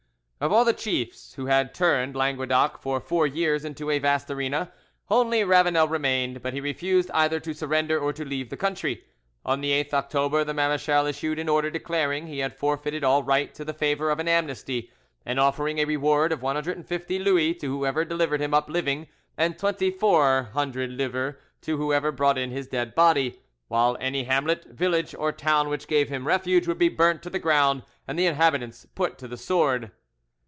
Of all the chiefs who had turned Languedoc for four years into a vast arena, only Ravanel remained, but he refused either to surrender or to leave the country. On the 8th October the marechal issued an order declaring he had forfeited all right to the favour of an amnesty, and offering a reward of 150 Louis to whoever delivered him up living, and 2400 livres to whoever brought in his dead body, while any hamlet, village, or town which gave him refuge would be burnt to the ground and the inhabitants put to the sword.